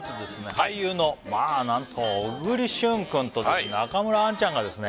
俳優のまあなんと小栗旬君とですね中村アンちゃんがですね